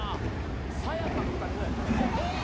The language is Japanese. さや香の２人ぐらいですかね。